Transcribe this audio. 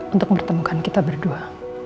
untuk bertemukan kita berdua